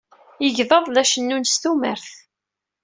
Igḍaḍ la cennun s tumert.